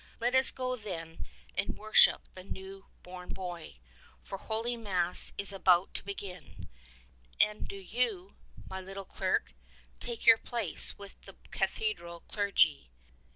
Let us go then and worship the new born Boy, for Holy Mass is now about to begin. And do you, my little clerk, take your place with the cathedral clergy.